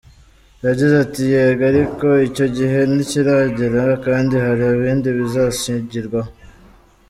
Yagize ati: "Yego ariko icyo gihe ntikiragera kandi hari ibindi bizashingirwaho.